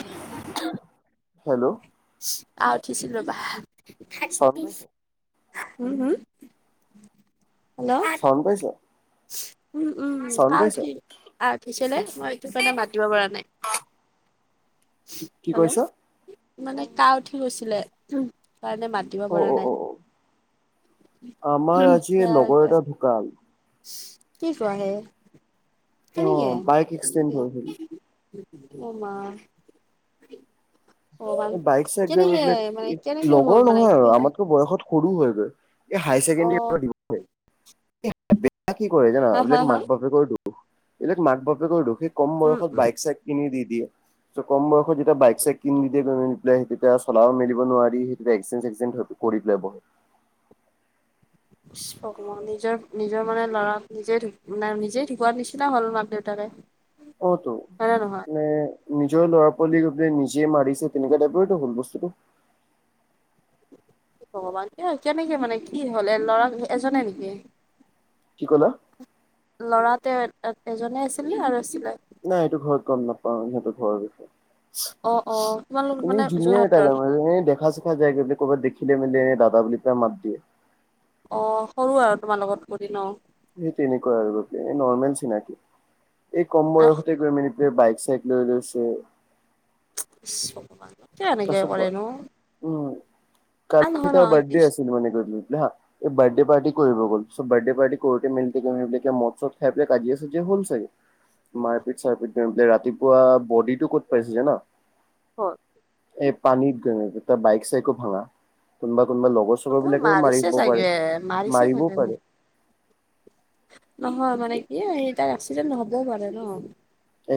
উ হেল্ল' আহ উঠিছিল ৰবা হম চাউণ্ড পাইছ হম চৰণ পাইছ উম উম উ ক চাউণ্ড পাইছ উঠি আহ উঠিছিলে মই এইটো কাৰণে মাতিব পৰা নাই কি হেল্ল কৈছ মানে কা উঠি গৈছিলে তণে মাত তিব অ পৰা অ নাই অ অ আমাৰ আজি লগৰ এটা ঢুকাল কি কোৱা আহে হ অ নকে বাইক এক্সিডেণ্ট হৈ গল অম এই বাইক চাইক বাক মানে কেনেকে লগৰ হ'ল মানে নহয় কি আৰু হয় আমাতকো বয়সত সৰু হৈ গৈ এই হায়াৰ ছেকেণ্ডৰীৰ অ' পৰা দিব বেয়া কি কৰে জানো হা, হা, এইবিলাক হা মাক বাপেকৰ দুখ এইবিলাক মাক বাপেকৰ দুখে কম উম, বয়ত উম। বাইক চাইক কিনি দি দিয়ে চ' কম বয়ত যেতিয়া বাইক চ কিন পেলাই তেতিয়া চলাব মেলিব নোৱাৰি সেই এক্সে চ কৰি পেলাই বহ নিজৰ নিজৰ মানে লৰা নিজোনে নিজেই ঢুকোৱাৰ নিচিনা হ'ল মাক দেউতাৰে অ'তো মে নিজৰ ল'ৰা ছোৱালীলে নি যে মাৰিছে তেনেকে দোবটো হল বস্তুটো ভগৱান কিয় কেনেকে মানে কি হ'ল এ ল'ৰা এজনে নেকি কি ক'লা লৰা তে এজনে আছিলে আৰু আছিলে নাই এইটো ঘৰত গম নাপাওঁ সিহতৰ ঘৰৰ বিষয়ে অ অ তোমালোক এনে মানে জুনিয় যোৰহাটৰ এটাালে মানে দেখা চেখা যায়গ দে ক'ৰবাত দেখিলে মেলি এনে দাদা বুলি পাই মাত দিয়ে অ সৰু আৰু তোমাৰ লগত কৰি ন সেই তেনেকুৱা আৰু বাক এই নৰ্মেল চিনাকি এই কম বয়সতে গৈ মানি বাইক চাইকেললৈছে শুভ তছ উম আ কাকি নহয় তাৰ নহয় বাৰ্থডে ইছ, আছিল মানে ক হা এই বাৰ্থডে পাৰ্টি কৰিব গ'ল, বাৰ্থডে পাৰ্টি কৰোতে মদ চৎ খাই পেলাই কাজিয়া আছে যে হ'ল চাগে। মাৰপিট চাৰপিট ৰাতিপুৱা বডিটো ক'ত পাইছিল ন। হয়। এ পানীত বাইক চাইকো ভাঙা কোনোবা কোনোবা লগত। ওচৰৰ কোনোবা বিলাকেও মাৰি মাৰিছে আহিব চাগে পাৰে, মাৰিছে মাৰিবও চাগে মোক পাৰে। নহয় মানে কি এই তাৰ এক্সিডেণ্ট হ'বও পাৰে ন।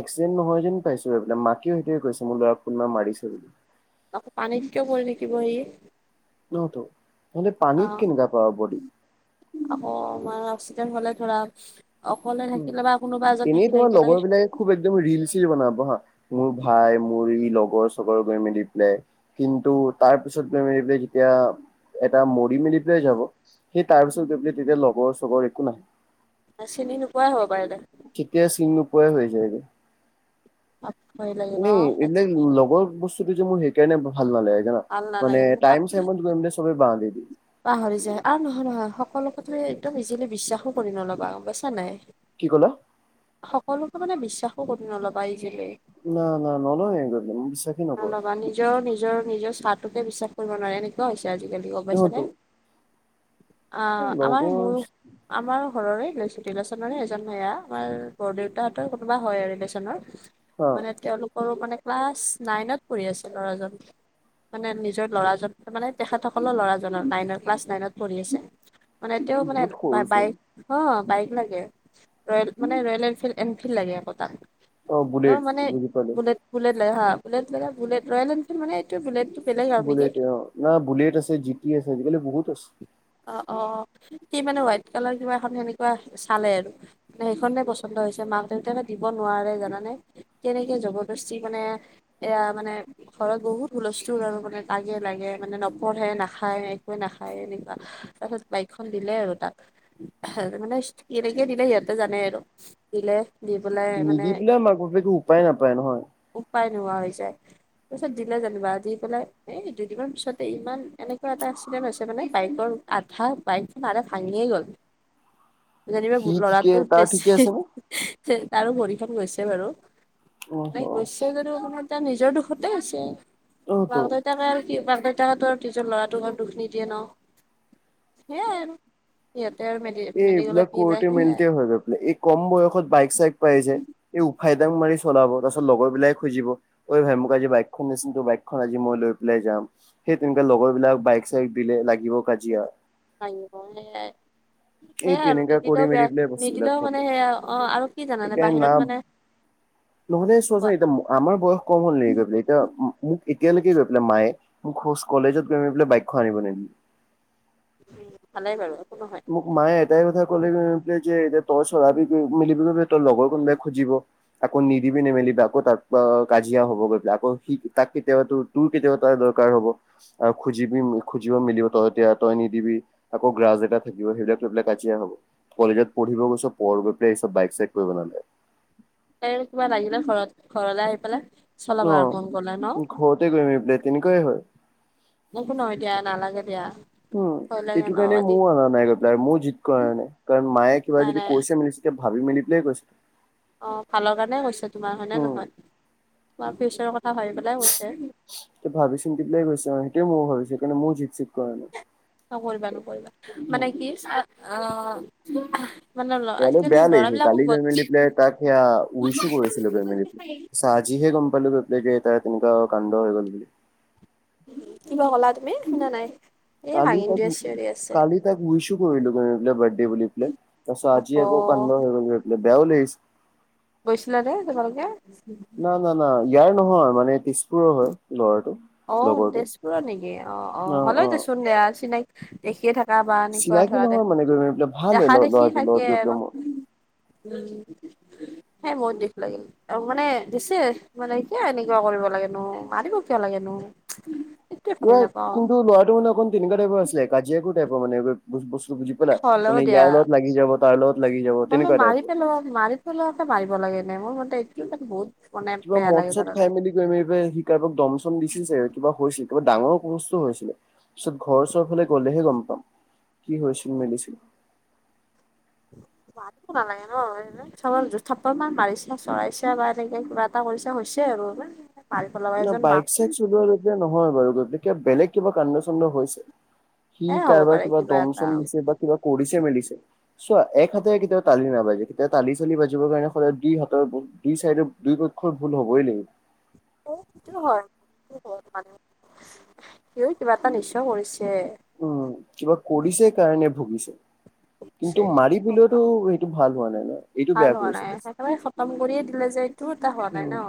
এক্সিডেণ্টত নহয় যেন পাইছোঁ, এইাক মাকেও সেইটোৱে কৈছে মোৰ ল'ৰাক কোনবাই মাৰিছে বুলি। আকৌ পানীত কিয় পৰি থাকিব সি? নহত নহ'লে অ পানীত কেনেকা পাব বডী। আকৌ মাৰ অক্সিডেন হ'লে ধৰা, অকলে থাকিলে বা কোনোবা এজন এনেই থাকিলে তোমাৰ লগৰ একেলগে বিলাকে খুব একদম ৰিল চিল বনাব হা, মোৰ ভাই মোৰ ই লগৰ চগৰ গৈ মিলি পেলাই। কিন্তু, তাৰ পিছত [inaudible] যেতিয়া এটা মৰি মেলি পেলাই যাব, সেই তাৰ পিছত গৈ মেলাই তেতিয়া লগৰ চগৰ একো নাই। চিনি নোপোৱাই হ'ব পাৰিলে। কেতিয়া চিনি নোপাই হৈ যায়গৈ। ভয় লাগে ন আপুনি এনে আজি, এইবিলাক লগৰ বস্তুটো যে মোৰ সেইকাৰণে ভাল নালাগে। ভাল মানে নালাগে তাক টাইম চাইম গৈ মানে চবে বহ দি দিয়ে। পাহৰি যায়, আৰু নহয় নহয় সকলোকো তু একদম ইজিলি বিশ্বাসো কৰি নলবা পাইছা নাই। কি ক'লা? সকলোকে মানে বিশ্বাসো কৰি নলবা। পাইছিলে। না না নলয় বিশ্বাসেই নকৰোঁ। নল'বা নিজৰ নিজৰ নিজৰ চাহটোকে বিশ্বাস কৰিব নোৱাৰে ননেকুৱা হৈছে, আজিকালি গ'ম সিহঁতো পাইছানে। অ' আমাৰ লগৰ মোৰ, আমাৰ ঘৰৰে ৰিলেঅচনৰে এজন ভেয়া আমাৰ বৰ দেউতাহঁতৰ কোনোবা হয় ৰিলেচনৰ, হা মানে তেওঁলোক সৰু মানে ক্লাছ নাইনত পঢ়ি আছে, ল'ৰাজন। মানে নিজৰ ল'ৰাজ মানে তেখেতসকলৰ ল'ৰাজনৰ নাই ক্লাছ নাইনত পঢ়ি আছে। মানে তেওঁ মানে বহুত বা সৰুচোন। বাইক অ' বাইক লাগে, ৰয়েল মানে ৰয়েল এনফিল এনফিল্ড লাগে আকৌ তাক। বুলেট অ' মানে বুজি পালো। বুলেট বুলেট লগে হা বুলেট বুলেট, ৰয়েল এনফিল্দ মানে এইটো বুলেটো বেলেগ আৰু নেকি বুলটে অ' না বুলেট আছে, জিটি আছে, আজিকালি বহুত আছে। অ' অ' সি মানে হোৱাইট কালাৰ কিবা এখন সেনেকুৱা চালে আৰু, মে সেইখনে পছ পন্দ হৈছে মাক দেউতে দিব নোৱাৰে জানানে, কেনেকে জবৰদস্তি মানে এয়া মানে ঘৰত বহুত হুলোষ্টোল আৰু মানে কাজিয়া লাগে, মানে নপঢ়ে নাখায়, একোৱে নাখায়, এনেকুৱা। তাৰপিছত বাইকখন দিলে আৰু তাক, মানে কেনেকে দিলে সিহঁতে জানে আৰু। দিলে দি পেলাই মানে নিদি পেলাই মাক বাপেকে উপায় নাপায় নহয়। উপায় নোহোৱা হৈ যায়। তাৰপিছত দিলে যেনিবা, দি পেলাই এই দুইদিনৰ পিছতে ইমান এনেকুৱা এটা এক্সিডেণ্ট হৈছে মানে বাইকৰ আধা বাইক টাৰে ভাংগীয়ে গল। যেনিবা সি ঠিকে ল'ৰাটো তাৰ ঠিকে আছে নে? বেছি তাৰো ভৰিখন গৈছে বাৰু। অহ। [unintelligible] এতিয়া নিজৰ দুখতে হৈছে, অ' তো মাকহঁতে তাকে আৰু কি মাক দেউতা হতৰ নিজৰ ল'ৰাটোক গাত দুখ নিদিয়ে ন'। সেয়াই আৰু, সিহঁতে আৰু ম এই এইবিলাক কৰোঁতে মেলোটে হয় গৈ পেলাই, এই কম বয়সত বাইক চাইক পাই যে। এই উফাই দাং মাৰি চলাব, তাৰ পিছত লগৰ বিলাকে খুজিব। ঐ ভাই মোক আজি বাইকখন দেচোন, টোৰ বাইকখন আজি মই লৈ পেলাই যাম। সেই তেনেকা লগৰ বিলাক বাইক চাইক দিলে লাগিব কাজিয়া। লাগিব। [unintelligible] এই সেয়াই, আৰু তেনেকা কৰি নিদিলেও মেলি বেয়া, পেলাই বস্তুবিলাক নিদিলেও ঘটে মানে সেয়া অ' আৰু কি জানানে সেইকাৰণে না বাহিৰত মানে নহ'লে চোৱা চুন কোৱা এতিয়া আমাৰ বয়স কম হ'ল নেকি গৈ পেলাই এতিয়া মোক এতিয়ালৈকে গৈ পেলাই মায়ে মোক খোজ কলেজত গৈ মেলি পেলাই বাইকখন আনিব নেম। ভালে বাৰু একো নহয়। মোক মায়ে এটাই কথা ক'লে যে এতিয়া তই চলাৱি মিলিবি তোৰ লগৰ কোনোবাই খুজিব। আকৌ নিদিবি নেমেলিবি আকৌ তাক কাজিয়া হ'ব গৈ পেলাই আকৌ তাক কেতিয়াবাতো তোৰ, কেতিয়াবা তাৰ দৰকাৰ হ'ব। আৰু খোজিবি খোজিব মিলিব তই তেতিয়া তই নিদিবি আকৌ গ্ৰাছ এ থাকিব সেইবিলাক লৈ পেলাক কাজিয়া হ'ব কলেজত পঢ়িব গৈছ পঢ় গৈ পেলাই এইব বাইক চাইক কৰিব নালাগে। কিবা লাগিলে ঘৰত ঘৰলে আহি পেলাই চলাবা আৰু মন গ'লে ন অ', ঘৰতে গৈ আহিম বোলে তেনেকুৱাই হয়। এক একো নহয় দিয়া নালাগে দিয়া। উম ভয় লাগে এইটো ন কাৰণে আজি মোৰ অনা নাই গাই আৰু মোয়ো জিত কৰা নাই কাৰণ মায়ে কিবা নাই যদি নাই কৈছে মেলিছিল ভাবি মেলি পিলয় কৈছিল অ', ভালৰ কাৰণে কৈছে তোমাৰ কাৰণে উম। হয় তোমাৰ ফিউচাৰৰ কথা ভাবি পেলাই কৈছে। ভাবি চিন্তি পেলায়ে কৈছে সেইটোৱে মই ভাবিছো সেইকাৰণে ময়ো জিত চিত কৰা নাই। নকৰিবা নকৰিবা মানে কি আহ সেয়ালৈ বেয়া লাগিছিল কালি [unintelligible] তাক সেয়া উইচু কৰিছিল [unintelligible] আজি হে গম পালোঁ বাপেকে [unintelligible] তেনেকা কাণ্ড হৈ গ'ল বুলি। কিবা কলা তুমি শুনা নাই এ কালি ভাগিন তাক দি আছে। আছে কালি তাক উইছো কৰিলো [unintelligible] বাৰ্থডে বুলি পেলাই তাৰ পিছত অহ আজি আকৌ কাণ্ড হৈ গ'ল। বেয়াও লাগিছে গৈছিলা যে তোমালোকে। না, না, না, ইয়াৰ নহয় মানে তেজপুৰৰ হয় লৰাটো। অ', লগৰটো তেজপুৰৰ নেকি অ', অ', হ'লে দেচোন দেয়া চিনাকি দেখিয়ে থাকা বা, এনেকুৱা চিনাকি ধৰা দেখ নহয় মানে গৈ পেলাই ভাল হয় দেখা দেখি ল'ৰাটোৰ থাকে লগত গৈ আৰু। পেলাই মোৰ হে মোৰো দোখ লাগিল। অ', মানে দিছে মানে কিয়ি এনেকুৱা কৰিব লাগেনো মাৰিব কিয় লাগে [unintelligible] [unintelligible] কিন্তু, লৰাটো মানে অকণ তেনেকুৱা টাইপৰ আছিলে কাজিয়াকোৰ টাইপৰ মানে বস্তু বুলি। বুলা হ'লেও মানে, দিয়া ইয়াৰ লগত লাগি যাব তাৰ লগত লাগি যাব হ'লেও তেনেকুৱা মাৰি টাইপৰ। মাৰি থ'লে হে মাৰিব লাগে নে মোৰ মতে এইটো মানে বহুত মানে কিবা বেয়া মদ লাগে চদ তাৰা খাই কাৰণে মেলি সি, কাৰোবাক দম শম দিছিল চাগে কিবা হৈছিলে কিবা ডাঙৰ সমস্যা হৈছিলে পিছত ঘৰ উচৰফালে গ'লেহে গম পাম কি হৈছিল মেলিছিল। মাৰিব নালাগে ন। চ থাপ্পৰ মান মাৰিছে চৰাইছে বা এনেকে কিবা এটা কৰিছে হৈছে আৰু। মাৰি পেলাব ন এজন মা বাইক চাইক চলোৱা যেতিয়া নহয় বাৰু কিবা বেলেগ কিবা কান্ড চান্দ হৈছে আৰু সি এ হ'ব কাৰোবাক পাৰে কিবা দম চম এটা দিছে বা কিবা কৰিছে মেলিছে চোৱা এক হাতেৰে কেতিয়াও তালি নাবাজে কেতিয়া তালি চালি বাজিবৰ কাৰণে সদায় দি হাতৰ দি চাইডৰ দুইো পক্ষৰ ভুল হ'বই লাগিব। [unintelligible] হয় মানুহ [unintelligible] কিবা এটা নিশ্চয় কৰিছে। উম, কিবা কৰিছে কাৰণে ভুগিছে কিন্তু পিছে হ'ব, মাৰিবলৈওতো টো ভাল হোৱা নাই ন। এইটো ভাল বেয়া হোৱা কৰিছে নাই বেছি। একেবাৰে খতম কৰিয়ে দিলে যে এইটো এটা হোৱা নাই উম, ন।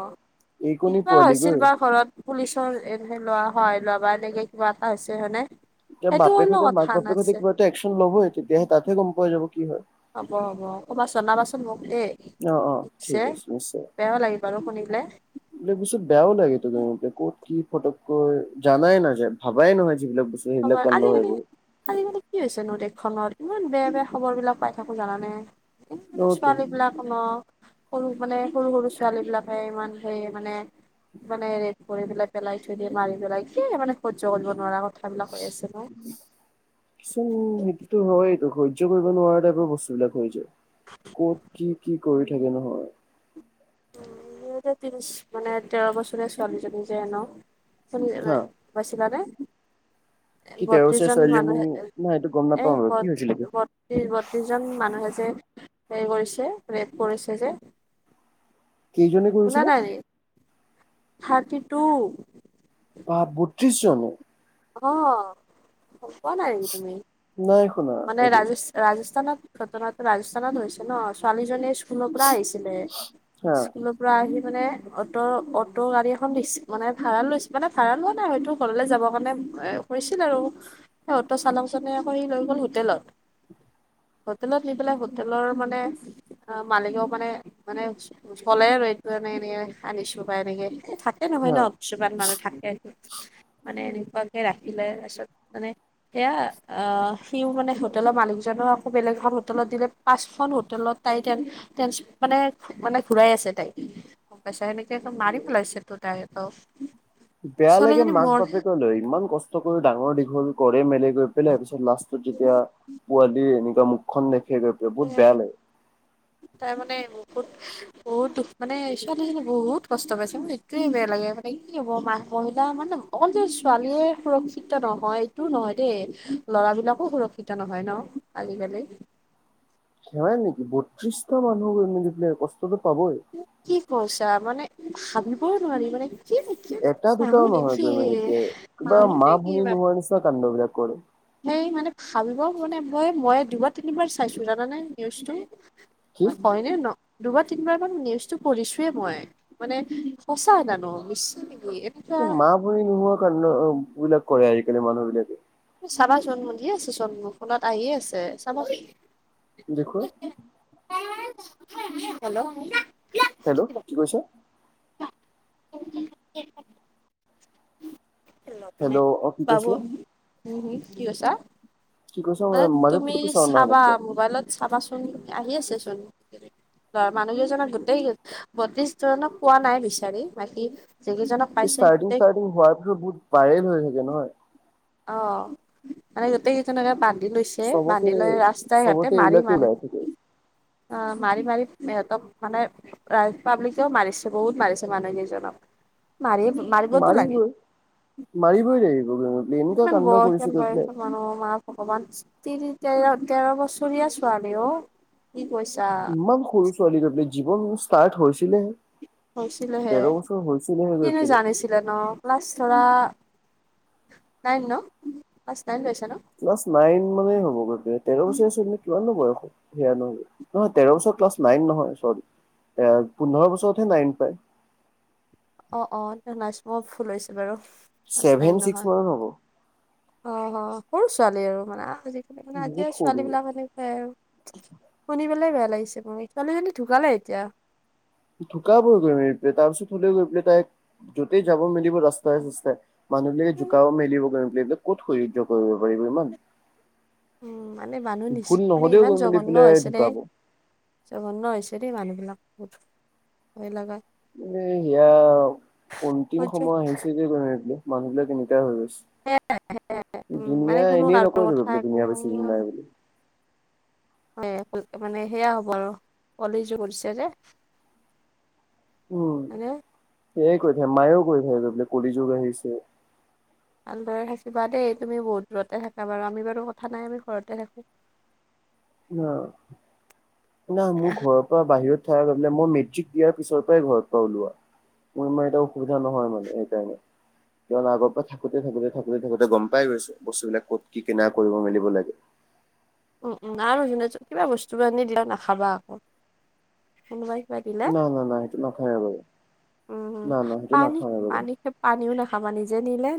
এইকণি কিবা পোৱালি হৈছিল গৈ। বা ঘৰত? পুলিচৰ এনে লোৱা সহায় লোৱা বা এনেকে কিবা এটা হৈছে মানে এতিয়া, বাপে সৈতে মাক বাপেক সৈতে কিবা এটা একশ্বন ল'বই তেতিয়াহে তাহতে গম পায় যাব কি হয়। হ'ব হ'ব কবা জনাবাচোন মোক দেই। অ', অ', ঠিক [unintelligible] আছে নিশ্চয়। বেয়া লাগে বাৰু শুনিলে। এইবিলাক বস্তু বেয়াও লাগে [unintelligible] ক'ত কি ফটককৈ জানাই নাযায় ভাবাই নহয় যিবিলাক বচ [unintelligible] আজিকালি আজিকালি কি হৈছে নো দেশখনত, ইমান বেয়া বেয়া খবৰ বিলাক পাই থাকো জানানে। সৰু-সৰু অতো ছোৱালী বিলাক অ' সৰু মানে, সৰু সৰু ছোৱালী বিলাকে ইমান সেই মানে মানে ৰেপ কৰি পেলাই পেলাই থৈ দিয়ে মাৰি পেলাই কি মানে সহ্য কৰিব নোৱাৰা কথাবিলাক হৈ আছে ন। কিছু সেইটোতো হয়টো সহ্য কৰিব নোৱাৰা টাইপৰ বস্তু বিলাক হৈ যায়। ক'ত কি কি কৰি থাকে নহয়। উ দুহেজাৰ তিৰিশ মানে তেৰ বছৰীয়া ছোৱালীজনী যে ন হা [unintelligible] পাইছিলা নে? এ কি তেৰ বছৰীয়া বত্ৰিশজন ছোৱালীজনী মানুহ নাই এইটো গম এ নাপাওঁ আৰু কি হৈছিলে বত বত ত্ৰিশ-বত্ৰিশ জন মানুহে যে, হে কৰিছে ৰেপ কৰিছে যে? কেইজনে শুনা কৰিছিলে নাই নি থাৰ্টি টু। বা বত্ৰিশ জনে। অ' গম পোৱা নাই নেকি তুমি নাই শুনা মানে এইটো ৰাজস ৰাজস্থানত ঘটনাটো ৰাজস্থানত হৈছে ন, ছোৱালীজনীয়ে স্কুলৰ পৰা আহিছিলে। হা স্কুলত পূৰা আহি মানে অটো অটো' গাড়ী এখন দিছে, মানে ভাড়া লৈছ মানে, ভাড়া লোৱা নাই, হয়তটো ঘৰলে যাব। [unintelligible] কৰিছিল আৰু অ'টো চালক জনে কৰি লৈ গ'ল হোটেলত। হোটেলত নি পেলাই হোটেলৰ মানে অ' মালিকক মানে, মানে চলে আৰু এইটো এনে এনেকে আনিছো বা এনেকে থ এই নহয় হা ন, কিছুমান মানুহ থাকে। মানে এনেকুৱাকে ৰাখিলে তাৰপিছত মানে, সেয়া আহ সিও মানে হোটেলৰ মালিকজও আকৌ বেলেগ ভাল হোটেলত দিলে পাঁচখন হোটেলত তাই [unintelligible] মানে মানে ঘূৰাই আছে তাইক। [unintelligible] মাৰি প্ লাইছছে তটো তাই বেয়া লাগে ছোৱালীজনী মাক মোৰ বাপেকে লৈ ইমান কষ্ট কৰি ডাঙৰ দীঘল কৰে মেলে। গৈ পেলাই তাৰ পিছত লাষ্টত যেতিয়া পোৱালি এনেকুৱা মুখখন দেখে গৈ পেলাই বহুত বেয়া লাগে। তাই মানে বহুত বহুত দুখ মানে, ছোৱালীজনী বহুত কষ্ট পাইছে। মোৰ এইোৱে বেয়া লাগে মানে কি হ'ব মা মহিলা মানে অকল যে, ছোৱালীয়ে সুৰক্ষিত নহয় এইটোও নহয় দেই, ল'ৰা বিলাকো সুৰক্ষিত নহয় ন। আজিকালি। সেৱাই নেকি বত্ৰিশটা মানুহ [unintelligible] কষ্টতটো পাবই। কি কৈছা, মানে ভাবিবইও নোৱাৰি মানে কি নি এটা দুটাও নহয় গৈ [unintelligible] কিবা মানুহ মা নে কি ভনী বাপ নোহোৱা নিচিনা কাণ্ড বিলাক কৰে। সেই মানে, ভাবিব মানে মই দুবাৰ তিনিবাৰ চাইছো জানানে নিউজটো। কি হয়নে ন, দুবাৰ তিনিবাৰ মান নিউজটো পঢ়িছোয়ে মই। মানে সঁচা জানো মিছা নেকি। এনেকুৱা মা ভনী নোহোৱা কাণ্ড বিলাক কৰে, আজিকালি মানুহ বিলাকে। চাবা চোন দিয়ে আছে চোন, ফোনত আহিয়ে আছে চাবা দেখোৱা। হ্লেল। হেল্ল' কি কৈছা? [unintelligible] মানে হেল্ল' অ কি বাবো কৈছিলে কি কৈছা? কি কৈছা মানে মাজে তুমি ফুটুককে চাউণ্ড নহা চাবা, নাছিলে মোবাইলত চাবাচোন। আহি আছে চোন মানুহ কেইজনক গোটেই বদ্ধিশ জনক পোৱা নাই বিচাৰি, বাকী যিকেইজনক এই পাইছে ষ্টাৰ্টিং গোটেই ষ্টাৰ্টিং হোৱাৰ পিছত বহুত বাইৰেল হৈ থাকে নহয়? অ', মানে গোতে তেনেকে বান্ধি লৈছে, চবতে বান্ধি লৈ ৰাস্তাই ঘাটে চবতে মাৰি এইবিলাকে মান ওলাই থাকে অ', মাৰি-মাৰি সিহঁতক মানে পাব্লিকেও মাৰিছে বহুত মাৰিছে মানুহ কেইজনক। মাৰি মাত মাৰিবই, মাৰিবই লাগিব [unintelligible] কাণ্ড কৰিছে গৈ পেলাই। অ', মা-মা ভগৱান তিনি তেৰ'-তেৰ' বছৰীয়া ছোৱালী অ'। কি কৈছা? ইমান সৰু ছোৱালী, [unintelligible] জীৱন ষ্টাৰ্ট হৈছিলেহে। হৈছিলোহে। তেৰ' বছৰ হৈছিলেহে কিনো [unintelligible] জানিছিলে ক্লাছ ধৰা, নাইন নহ? ক্লাছ নাইন পাইছে নহ? ক্লাছ নাইন মানে হ'বগৈ, তেৰ' বছৰীয়া ছোৱালী কিমাননো বয়স হব। সেয়া নহয়, তেৰ' বছৰত ক্লাছ নাইন নহয় চৰী আ পোন্ধৰ বছৰতহে নাইন পায়। অ', অ', নাইচ মই ভুল হৈছে বাৰু, ক্লাছ ছেভেন নাইন ছিক্স নহয়। মানত হ'ব অ', অ', সৰু ছোৱালী আৰু মানে, আজিকালি মানে আজিৰ বহুত ছোৱালী সৰু বিলাক এনেকুৱাই আৰু। শুনি পেলাই বেয়া লাগিছে মোৰ, ছোৱালী জনী ঢুকালে এতিয়া। ঢুকাবগৈ, তাৰ পিছত মেলি পেলাই তাই য'তেই যাব মেলিব ৰাস্তাই চাস্তাই মানুহবিলাকে জোকাব মেলিব ক'ত সহ্য কৰিব পাৰিব ইমান? উম, মানে মানুহ নিচ ভুল মানে নহ'লেও ইমান গৈ মেলি জঘণ্য পেলাই হৈছে নে? ঢুকাব জঘন্য হৈছে দেই মানুহ বিলাক, বহুত ভয় লগা এ সেয়া অন্তিম সহ্য সময় আহিছে যে, মানুহ বিলাক এনেকুৱা হৈ গৈছে। উম মানে দুুনীয়া কোনো এনেই কাৰো ন'কৈটো কথা একো দুনীয়া বেছি নাই বুলি। [inaudible] মানে সেয়া হ'ব আৰু, কলি যুগ পৰিছে যে। উম, মানে এয়াই কৈ থাকে মায়েও কৈ থাকে বোলে কলি যুগ আহিছে। ভালদৰে থাকিবা দেই তুমি বহুত দূৰতে থাকা বাৰু, আমি বাৰু কথা নাই আমি ঘৰতে থাকো। [inaudible] না, না মোৰ ঘৰৰ মই বাহিৰত থাকা কাৰণে, মই মেট্ৰিক দিয়াৰ পিছৰ পৰাই ঘৰৰ পৰা ওলোৱা। মই মানে এতিয়া অসুবিধা নহয় মানে সেইকাৰণে। কিয়নো আগৰ পৰা থাকোতে, থাকোতে, থাকোতে, থাকোতে গম পাই গৈছো বস্তুবিলাক ক'ত কি কেনে কৰি মেলিব লাগে। উম, উম, আৰু কিবা বস্তু বিলাক আনি দিলে নাখাবা আকৌ। কোনোবাই কিবা দিলে, না না না সেইটো নাখাওৱে বাৰু উম, না না সেইটো নাখাওৱে বাৰু। পানী-পানী সেই পানীও নাখাবা, নিজে নিলে